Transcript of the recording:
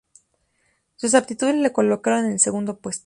Sus aptitudes le colocaron en el segundo puesto.